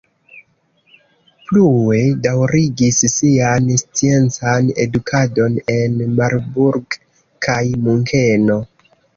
Plue daŭrigis sian sciencan edukadon en Marburg kaj Munkeno.